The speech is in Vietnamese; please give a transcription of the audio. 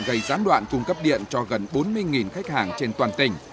gây gián đoạn cung cấp điện cho gần bốn mươi khách hàng trên toàn tỉnh